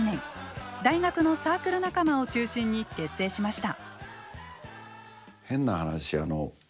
大学のサークル仲間を中心に結成しました。